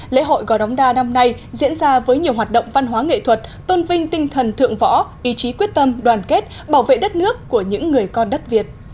lễ hội gò đống đa năm nay diễn ra với nhiều hoạt động văn hóa nghệ thuật tôn vinh tinh thần thượng võ ý chí quyết tâm đoàn kết bảo vệ đất nước của những người con đất việt